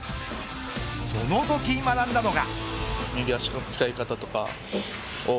そのとき学んだのが。